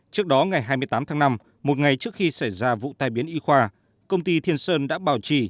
trước đó ngày hai mươi tám tháng năm một ngày trước khi xảy ra vụ tai biến y khoa công ty thiên sơn đã bảo trì